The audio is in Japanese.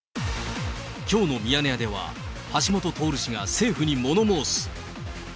きょうのミヤネ屋では、橋下徹氏が政府に物申す。